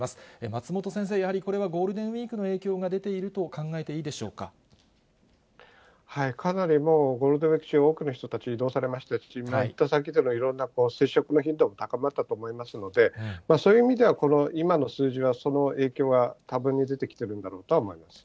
松本先生、やはりこれはゴールデンウィークの影響が出ていると考えていいでかなりもう、ゴールデンウィーク中、多くの人たち移動されましたし、移動先でのいろいろな接触の頻度も高まったと思いますので、そういう意味では、この今の数字は、その影響が過分に出てきているんだろうと思います。